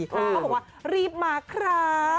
เขาบอกว่ารีบมาครับ